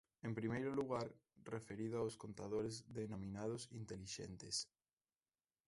En primeiro lugar, referido aos contadores denominados intelixentes.